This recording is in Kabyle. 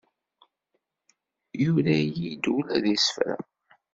Yura-iyi-d ula d isefra.